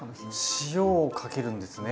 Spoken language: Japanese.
塩をかけるんですね。